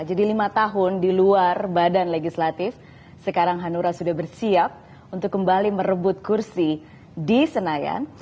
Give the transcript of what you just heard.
jadi lima tahun di luar badan legislatif sekarang hanura sudah bersiap untuk kembali merebut kursi di senayan